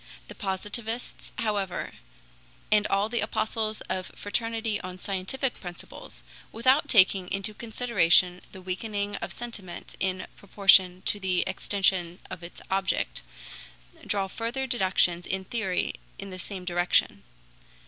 The Positivists, however, and all the apostles of fraternity on scientific principles, without taking into consideration the weakening of sentiment in proportion to the extension of its object, draw further deductions in theory in the same direction.